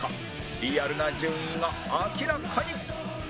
リアルな順位が明らかに